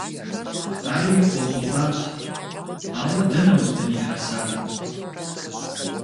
Ари къохъулӀат, ауэ дэнэ уздынихьэсар?